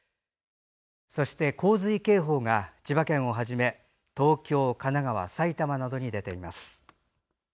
そして洪水警報が千葉県をはじめ東京、神奈川、埼玉などに出ています。